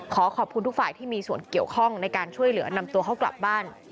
ขอขอบคุณทุกฝ่ายที่มีส่วนเกี่ยวข้องในการช่วยเหลือนำตัวเขากลับบ้าน